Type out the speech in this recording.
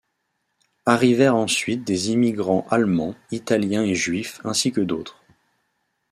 Arrivèrent ensuite des immigrants allemands, italiens et juifs, ainsi que d'autres.